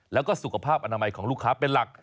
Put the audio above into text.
แล้วก็สุขภาพอนามัยของลูกค้าเป็นหลัก